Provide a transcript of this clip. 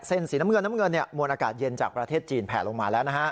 สีน้ำเงินน้ำเงินมวลอากาศเย็นจากประเทศจีนแผลลงมาแล้วนะฮะ